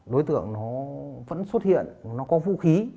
đối tượng nó vẫn xuất hiện nó có vũ khí